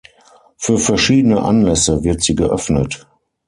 Für verschiedene Anlässe wird sie geöffnet.